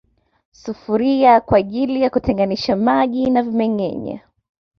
Sufuria kwaajili ya kuteganisha maji na vimengenywa